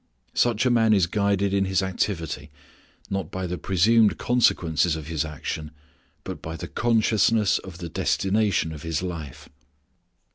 Such a man is guided in his activity not by the presumed consequences of his action, but by the consciousness of the destination of his life.